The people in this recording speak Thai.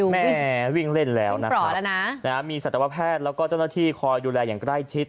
แม่วิ่งเล่นแล้วนะครับมีสัตวแพทย์แล้วก็เจ้าหน้าที่คอยดูแลอย่างใกล้ชิด